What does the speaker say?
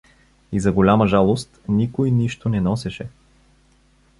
И за голяма жалост, никой нищо не носеше.